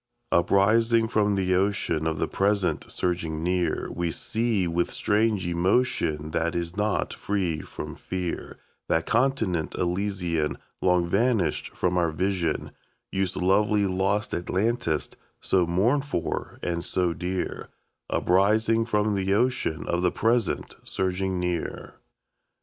Uprising from the ocean of the present surging near, We see, with strange emotion, that is not free from fear, That continent Elysian Long vanished from our vision, Youth's lovely lost Atlantis, so mourned for and so dear, Uprising from the ocean of the present surging near.